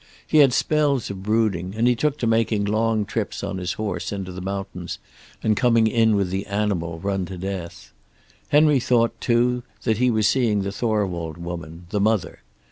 He had spells of brooding, and he took to making long trips on his horse into the mountains, and coming in with the animal run to death. Henry thought, too, that he was seeing the Thorwald woman, the mother.